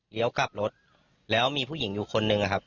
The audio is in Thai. กลับรถแล้วมีผู้หญิงอยู่คนหนึ่งอะครับ